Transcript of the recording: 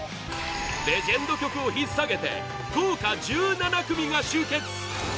レジェンド曲を引っ提げて豪華１７組が集結